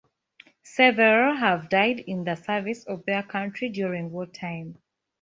Several have died in the service of their country during wartime.